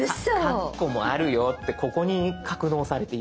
カッコもあるよってここに格納されています。